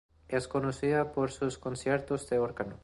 Es conocida por sus conciertos de órgano.